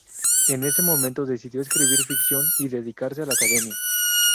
En ese momento decidió escribir ficción y dedicarse a la academia.